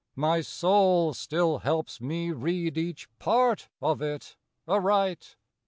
My soul still helps me read each part Of it aright.